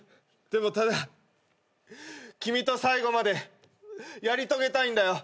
でもただ君と最後までやり遂げたいんだよ。